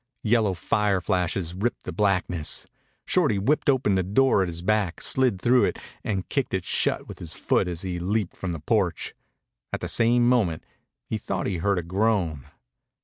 Yellow fire flashes ripped the blackness. Shorty whipped open the door at his back, slid through it, and kicked it shut with his foot as he leaped from the porch. At the same moment he thought he heard a groan.